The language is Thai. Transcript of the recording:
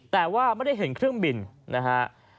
แต่ว่าไม่ได้เห็นเครื่องบินนะฮะ